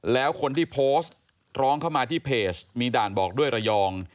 แล้วคนที่โพสต์ร้องเข้ามาที่เพจมีด่านบอกด้วยระยอง